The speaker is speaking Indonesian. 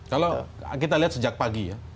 kalau kita lihat sejak pagi ya